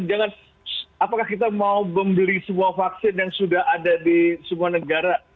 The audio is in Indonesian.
jangan apakah kita mau membeli semua vaksin yang sudah ada di semua negara